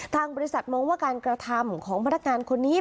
ทางบริษัทมองว่าการกระทำของพนักงานคนนี้